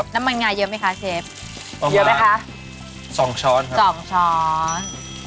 น้ำมันงาเยอะไหมค่ะเจ๊เณี๋ยวเป็นค่ะสองช้อนสองช้อน